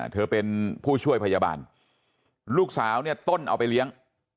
เธอเป็นผู้ช่วยพยาบาลลูกสาวเนี่ยต้นเอาไปเลี้ยง